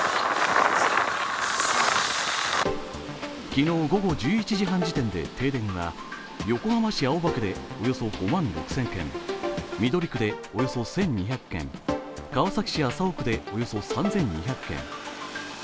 昨日午後１１時半時点、停電は横浜市青葉区でおよそ５万６０００軒緑区でおよそ１２００軒、川崎市麻生区でおよそ３２００軒。